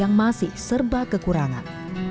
yang masih serba kekurangan